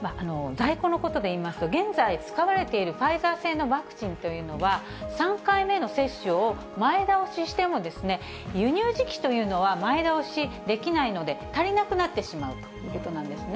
在庫のことでいいますと、現在使われているファイザー製のワクチンというのは、３回目の接種を前倒ししても、輸入時期というのは前倒しできないので、足りなくなってしまうということなんですね。